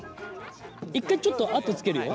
一回ちょっと跡つけるよ。